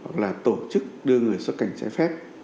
hoặc là tổ chức đưa người xuất cảnh trái phép